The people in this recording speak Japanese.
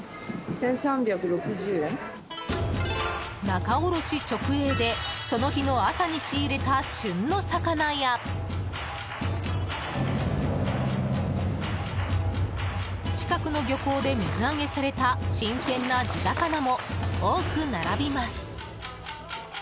仲卸直営でその日の朝に仕入れた旬の魚や近くの漁港で水揚げされた新鮮な地魚も多く並びます。